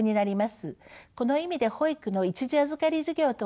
この意味で保育の一時預かり事業とは全く違うものです。